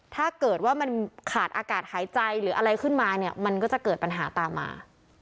ถ้าเกิดว่ามันขาดอากาศหายใจหรืออะไรขึ้นมาเนี่ยมันก็จะเกิดปัญหาตามมา